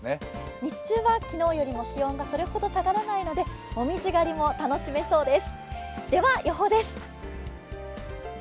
日中は昨日よりも気温がそれほど下がらないので紅葉狩りにも最適です。